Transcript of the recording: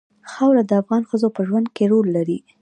خاوره د افغان ښځو په ژوند کې رول لري.